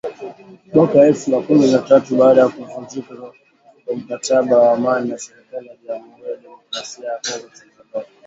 Mwaka elfu na kumi na tatu, baada ya kuvunjika kwa mkataba wa amani na serikali ya Jamuhuri ya Demokrasia ya Kongo, tuliondoka